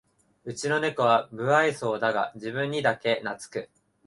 うちのネコは無愛想だが自分にだけなつく